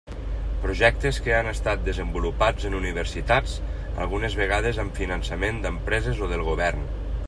Projectes que han estat desenvolupats en universitats, algunes vegades amb finançament d'empreses o del govern.